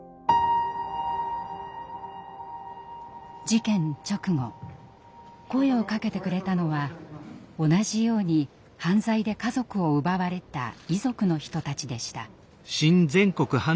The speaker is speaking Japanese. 事件直後声をかけてくれたのは同じように犯罪で家族を奪われた遺族の人たちでした。